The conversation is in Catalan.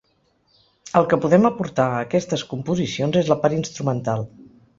El que podem aportar a aquestes composicions és la part instrumental.